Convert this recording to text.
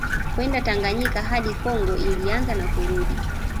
kwenda Tanganyika hadi Kongo ilianza na kurudi